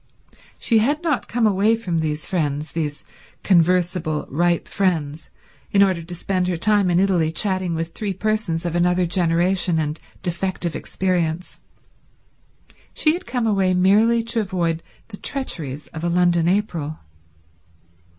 She had not come away from these friends, these conversable ripe friends, in order to spend her time in Italy chatting with three persons of another generation and defective experience; she had come away merely to avoid the treacheries of a London April.